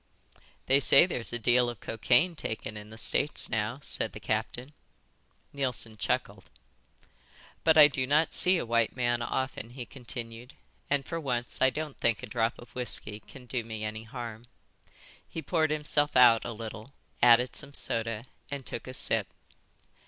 "They say there's a deal of cocaine taken in the States now," said the captain. Neilson chuckled. "But I do not see a white man often," he continued, "and for once I don't think a drop of whisky can do me any harm." He poured himself out a little, added some soda, and took a sip.